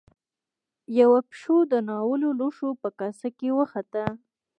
يوه پيشو د ناولو لوښو په کاسه کې وخته.